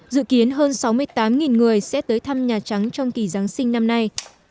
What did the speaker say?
dự kiến hơn sáu mươi tám người sẽ tới thăm nhà trắng trong kỳ giáng sinh năm nay